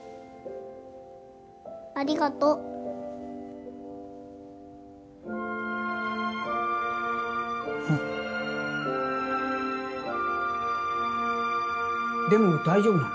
ありがとううんでも大丈夫なの？